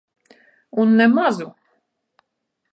Un ne mazu.